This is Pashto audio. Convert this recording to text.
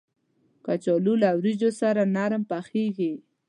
کچالو له وریجو سره نرم پخېږي